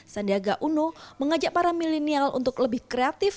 sandiaga uno mengajak para milenial untuk lebih kreatif